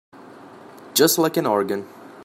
Just like an organ.